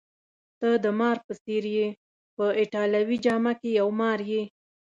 ته د مار په څېر يې، په ایټالوي جامه کي یو مار یې.